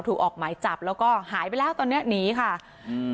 ออกหมายจับแล้วก็หายไปแล้วตอนเนี้ยหนีค่ะอืม